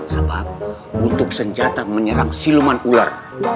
sebab untuk senjata menyerang siluman ular